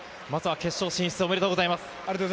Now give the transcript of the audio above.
決勝進出、おめでとうございます。